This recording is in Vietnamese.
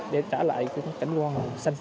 để trả lại cảnh quan